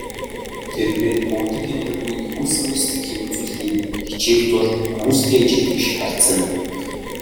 Тэр бээр бүгдэд энэрэнгүй, нигүүлсэнгүй сэтгэлийг үзүүлэхийг хичээх тул хүмүүстэй ижил тэгш харьцана.